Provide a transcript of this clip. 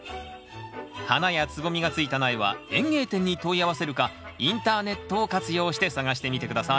花や蕾がついた苗は園芸店に問い合わせるかインターネットを活用して探してみて下さい。